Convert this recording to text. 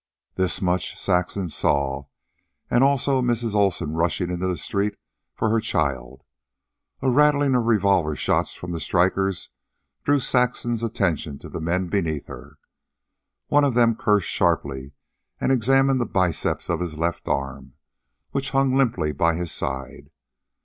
This much Saxon saw, and also Mrs. Olsen rushing into the street for her child. A rattling of revolver shots from the strikers drew Saxon's attention to the men beneath her. One of them cursed sharply and examined the biceps of his left arm, which hung limply by his side.